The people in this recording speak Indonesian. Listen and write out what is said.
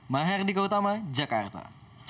mahardika utama jakarta